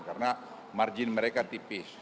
karena margin mereka tipis